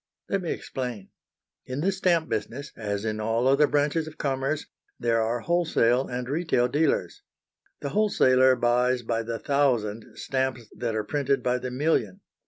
Let me explain. In the stamp business, as in all other branches of commerce, there are wholesale and retail dealers. The wholesaler buys by the thousand stamps that are printed by the million.